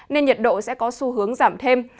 nên nhiệt độ sẽ có xu hướng giảm thêm